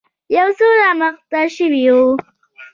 يو څه رامخته شوی و.